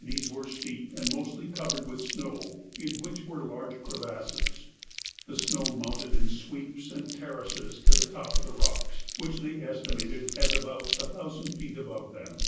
These were steep and mostly covered with snow, in which were large crevasses. The snow mounted in sweeps and terraces to the top of the rocks, which they estimated as about a thousand feet above them.